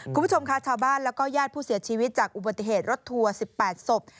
คุณผู้ชมค่ะชาวบ้านแล้วก็ญาติผู้เสียชีวิตจากอุบัติเหตุรถทัวร์๑๘ศพ